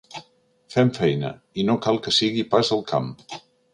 Fem feina, i no cal que sigui pas al camp.